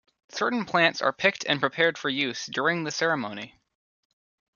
Certain plants are picked and prepared for use during the ceremony.